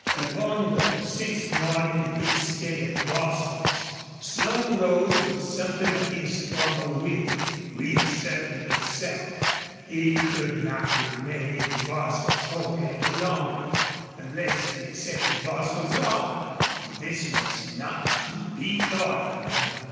Upon the sixth morning of his stay at Bostil's Slone rose with something of his former will reasserting itself. He could not remain in Bostil's home any longer unless he accepted Bostil's offer, and this was not to be thought of.